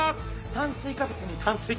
炭水化物に炭水化物。